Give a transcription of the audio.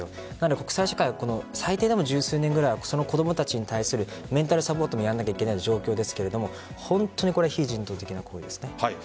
国際社会は最低でも十数年ぐらい子供たちに対するメンタルサポートもやらなければいけない状況ですが本当に非人道的な行為ですね。